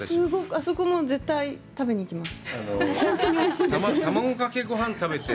あそこも絶対食べに行きます。